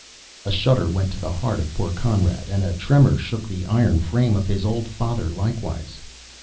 A shudder went to the heart of poor Conrad, and a tremor shook the iron frame of his old father likewise.